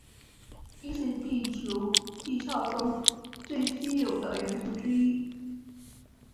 铱是地球地壳中最稀有的元素之一。